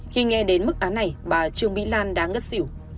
khi nghe đến mức án này bà trương mỹ lan đã ngất xỉu